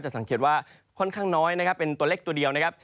สังเกตว่าค่อนข้างน้อยนะครับเป็นตัวเล็กตัวเดียวนะครับ